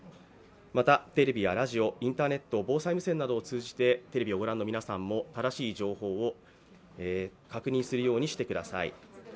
またテレビやラジオ、インターネット、防災無線などを通じてテレビをご覧の皆さんも正しい情報を確認するようにしてください。